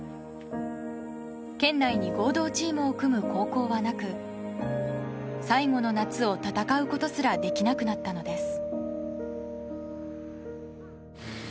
県内に合同チームを組む高校はなく最後の夏を戦うことすらできなくなったのです。